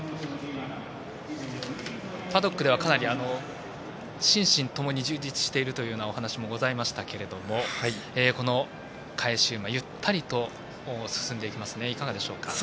パドックでは、かなり心身ともに充実しているというようなお話もありましたけどこの返し馬、ゆったりと進んでいきますね。